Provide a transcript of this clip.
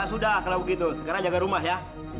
sudah kalau begitu sekarang jaga rumah ya